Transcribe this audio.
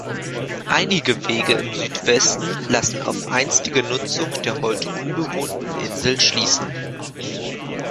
Einige Wege im Südwesten lassen auf einstige Nutzung der heute unbewohnten Insel schließen.